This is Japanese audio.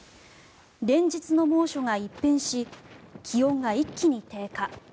連日の猛暑が一変し気温が一気に低下。